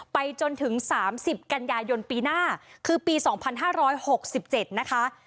ไปจนถึง๓๐กันยายนปีหน้าคือปี๒๕๖๗นะคะ